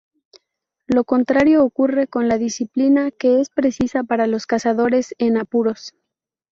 Lo contrario ocurre con la "disciplina", que es precisa para los cazadores en apuros.